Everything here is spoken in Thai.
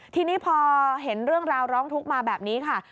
ทีนี้พอเห็นเรื่องราวร้องทุกข์มาแบบนี้ค่ะ